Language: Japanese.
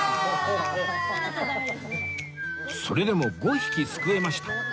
それでも５匹すくえました